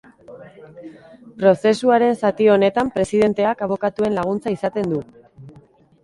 Prozesuaren zati honetan presidenteak abokatuen laguntza izanten du.